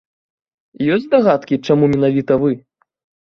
Ёсць здагадкі, чаму менавіта вы?